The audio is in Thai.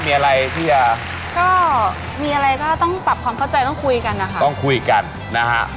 มีอะไรก็ต้องปรับความเข้าใจต้องคุยกันนะครับ